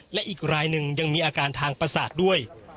และอีกรายหนึ่งยังมีอาการทางประสาทด้วย